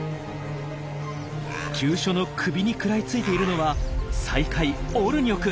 急所の首に食らいついているのは最下位オルニョク！